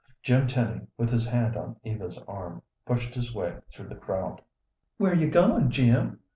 Jim Tenny, with his hand on Eva's arm, pushed his way through the crowd. "Where you goin', Jim?"